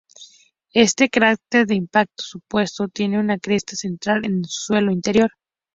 Este cráter de impacto superpuesto tiene una cresta central en su suelo interior.